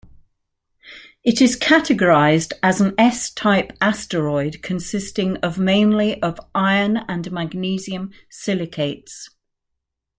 It is categorized as an S-type asteroid consisting of mainly of iron- and magnesium-silicates.